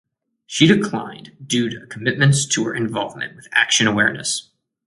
She declined due to commitments to her involvement with Action Awareness.